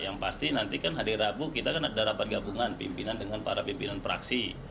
yang pasti nanti kan hari rabu kita kan ada rapat gabungan pimpinan dengan para pimpinan praksi